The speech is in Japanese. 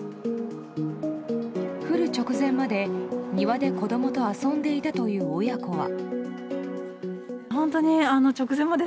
降る直前まで庭で子供と遊んでいたという親子は。